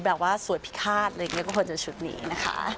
แบบว่าสวยพิฆาตอะไรอย่างนี้ก็ควรจะชุดนี้นะคะ